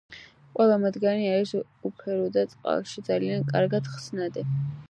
ყველა მათგანი არის უფერო და წყალში ძალიან კარგად ხსნადი.